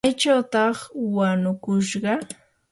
¿maychawtaq wanukushqa?